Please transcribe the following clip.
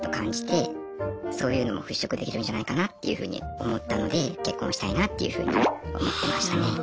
そういうのも払拭できるんじゃないかなっていうふうに思ったので結婚したいなっていうふうに思ってましたね。